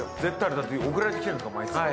だって送られてきてるんだから毎月。